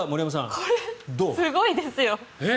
これ、すごいですよ。